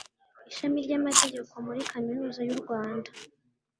Ishami ry’amategeko muri Kaminuza y’u Rwanda